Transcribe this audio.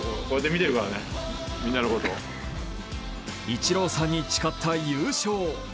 イチローさんに誓った優勝。